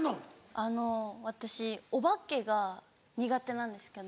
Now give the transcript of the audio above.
あの私お化けが苦手なんですけど。